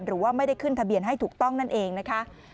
หรือว่าไม่ได้ขึ้นทะเบียนให้ถูกต้องนั่นเองนะคะ